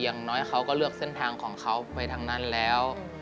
อย่างน้อยเขาก็เลือกเส้นทางของเขาไปทางนั้นแล้ว